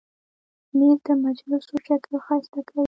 مېز د مجلسو شکل ښایسته کوي.